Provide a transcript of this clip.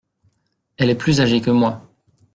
Elle est plus âgée que moi.